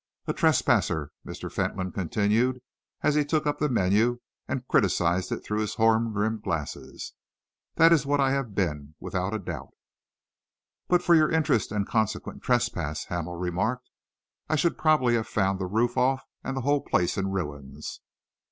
"A trespasser," Mr. Fentolin continued, as he took up the menu and criticised it through his horn rimmed eyeglass, "that is what I have been, without a doubt." "But for your interest and consequent trespass," Hamel remarked, "I should probably have found the roof off and the whole place in ruins."